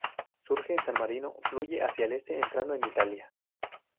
Surge en San Marino, fluye hacia el este, entrando en Italia.